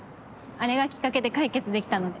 あれがきっかけで解決できたので。